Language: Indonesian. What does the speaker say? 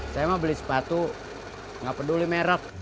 saya mah beli sepatu gak peduli merek